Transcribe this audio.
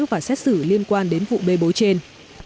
và xét xử liên quan đến vụ bê bối trên